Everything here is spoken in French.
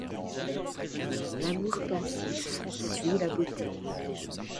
L'amour pensif suit la beauté.